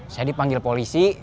saya dipanggil polisi